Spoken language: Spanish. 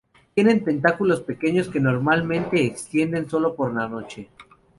Tienen tentáculos pequeños que normalmente extienden sólo por la noche.